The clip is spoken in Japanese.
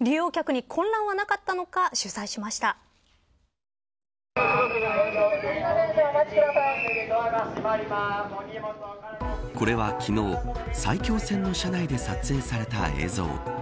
利用客に混乱はなかったのかこれは昨日、埼京線の車内で撮影された映像。